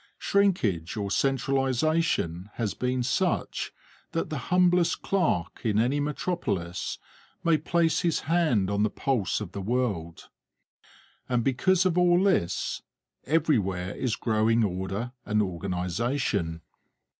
Shrinkage or centralization has been such that the humblest clerk in any metropolis may place his hand on the pulse of the world. And because of all this, everywhere is growing order and organization.